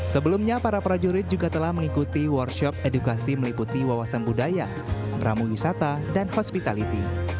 sebelumnya para prajurit juga telah mengikuti workshop edukasi meliputi wawasan budaya pramu wisata dan hospitality